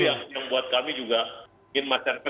yang buat kami juga ingin masyarakat